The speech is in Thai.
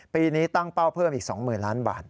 ปีนี้ตั้งเป้าเพิ่มอีก๒๐๐๐ล้านบาท